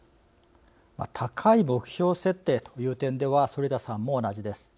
高い目標設定という点では反田さんも同じです。